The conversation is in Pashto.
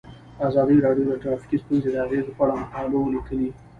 ازادي راډیو د ټرافیکي ستونزې د اغیزو په اړه مقالو لیکلي.